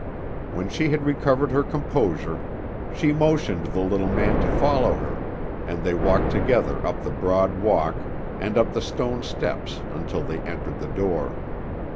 When she had recovered her composure, she motioned the little man to follow her, and they walked together up the broad walk, and up the stone steps until they entered the door.